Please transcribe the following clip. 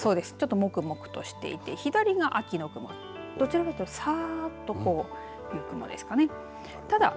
ちょっともくもくとしていて左が秋の雲どちらかというとさーっという雲ですかね。